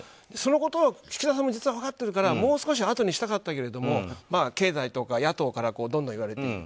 そのことを岸田さんも実は分かっているからもう少しあとにしたかったけど経済とか野党からどんどんいわれて。